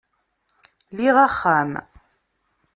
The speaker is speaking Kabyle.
Liɣ axxam.